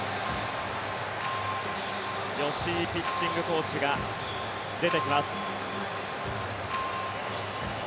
吉井ピッチングコーチが出てきます。